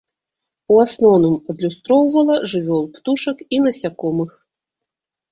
У асноўным адлюстроўвала жывёл, птушак і насякомых.